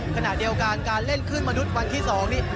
ขณะเดียวกันการเล่นขึ้นมนุษย์วันที่๒นี่